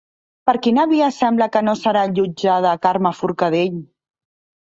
Per quina via sembla que no serà jutjada Carme Forcadell?